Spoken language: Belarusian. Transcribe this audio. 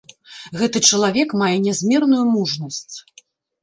Гэты чалавек мае нязмерную мужнасць.